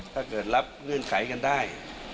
ถ้าเกิดรับเงื่อนไขกันได้